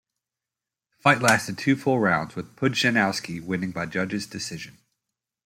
The fight lasted two full rounds, with Pudzianowski winning by judges' decision.